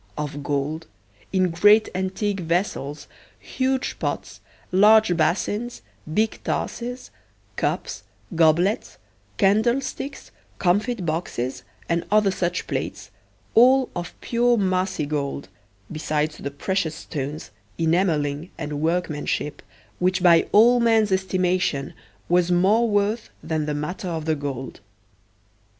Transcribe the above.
of gold, in great antique vessels, huge pots, large basins, big tasses, cups, goblets, candlesticks, comfit boxes, and other such plate, all of pure massy gold, besides the precious stones, enamelling, and workmanship, which by all men's estimation was more worth than the matter of the gold.